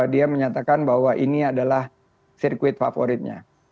dia menyatakan bahwa ini adalah sirkuit favoritnya